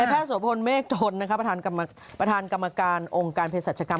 และแพทย์โสภนเมฆทนประธานกรรมการองค์การเพชรศักดิ์กรรม